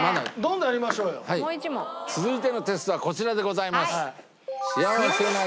続いてのテストはこちらでございます。